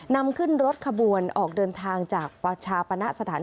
นำขึ้นรถขบวนออกเดินทางจากประชาปณะสถาน